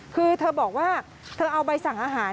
คือเธอบอกว่าเธอเอาใบสั่งอาหาร